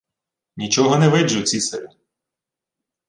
— Нічого не виджу, цісарю.